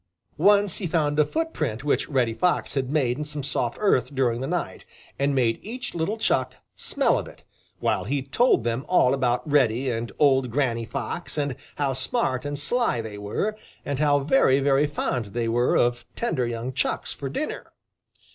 Once he found a foot print which Reddy Fox had made in some soft earth during the night, and made each little Chuck smell of it, while he told them all about Reddy and old Granny Fox and how smart and sly they were and how very, very fond they were of tender young Chucks for dinner.